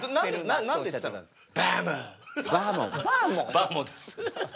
バーモです。